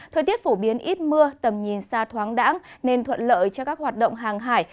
thời tiết phổ biến ít mưa tầm nhìn xa thoáng đẳng nên thuận lợi cho các hoạt động hàng hải